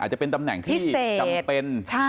จะเป็นตำแหน่งที่จำเป็น